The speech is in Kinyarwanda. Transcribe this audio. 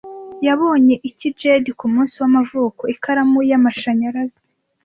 yabonye iki Jed kumunsi w'amavuko Ikaramu y'amashanyarazi